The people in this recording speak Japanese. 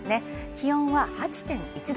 気温は８．１度